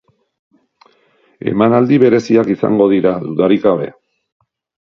Emanaldi bereziak izango dira, dudarik gabe.